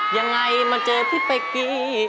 ยังไงมาเจอพี่เป๊กกี้